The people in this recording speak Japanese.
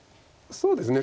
そうですね